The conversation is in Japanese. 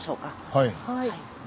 はい。